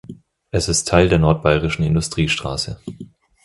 Es ist Teil der Nordbayerischen Industriestraße.